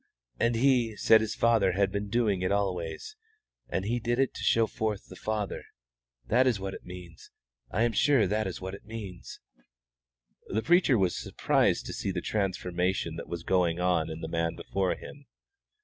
And He said His Father had been doing it always, and He did it to show forth the Father. That is what it means. I am sure that is what it means." The preacher was surprised to see the transformation that was going on in the man before him.